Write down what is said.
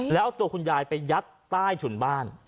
แล้วเอาตัวคุณยายไปยัดใต้ถุนบ้าน